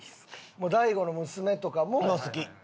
もう大悟の娘とかも。も好き。